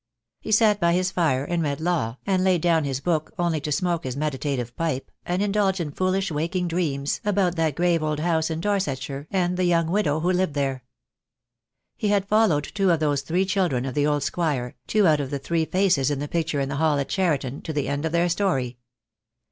He sat by his fire and read law, and laid down his book only to smoke his meditative pipe and indulge in foolish waking dreams about that grave old house in Dorsetshire and the young widow who lived there. He had followed two of those three children of the old squire, two out of the three faces in the picture in the hall at Cheriton, to the end of their story.